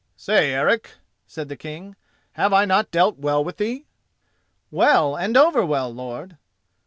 "Say, Eric," said the King, "have I not dealt well with thee?" "Well, and overwell, lord."